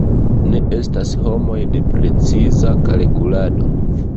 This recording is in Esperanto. Ni estas homoj de preciza kalkulado.